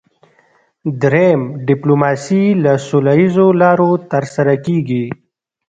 دریم ډیپلوماسي له سوله اییزو لارو ترسره کیږي